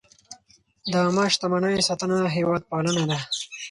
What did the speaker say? د عامه شتمنیو ساتنه هېوادپالنه ده.